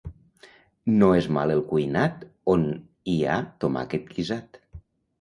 No és mal el cuinat on hi ha tomàquet guisat.